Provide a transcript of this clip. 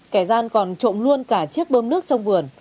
kẻ gian còn trộm luôn cả chiếc bơm nước trong vườn